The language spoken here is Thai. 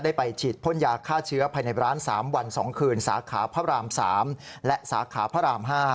ไปฉีดพ่นยาฆ่าเชื้อภายในร้าน๓วัน๒คืนสาขาพระราม๓และสาขาพระราม๕